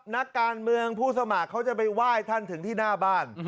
นักการเมืองผู้สมัครเขาจะไปไหว้ท่านถึงที่หน้าบ้าน